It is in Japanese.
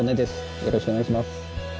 よろしくお願いします。